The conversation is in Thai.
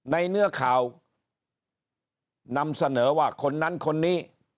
เนื้อข่าวนำเสนอว่าคนนั้นคนนี้